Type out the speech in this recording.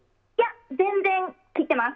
全然、切っています。